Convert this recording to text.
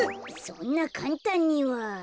そんなかんたんには。